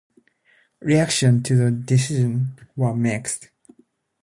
Reactions to the decision were mixed.